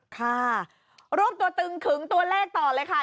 ค่ะรวบตัวตึงขึงตัวเลขต่อเลยค่ะ